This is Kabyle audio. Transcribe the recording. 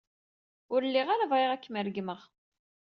Ur lliɣ ara bɣiɣ ad kem-regmeɣ.